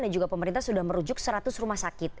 dan juga pemerintah sudah merujuk seratus rumah sakit